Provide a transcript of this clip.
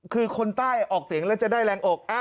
คือคนใต้ออกเสียงแล้วจะได้แรงอก